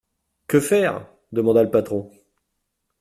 Que faire ? demanda le patron.